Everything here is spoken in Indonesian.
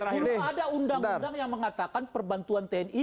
belum ada undang undang yang mengatakan perbantuan tni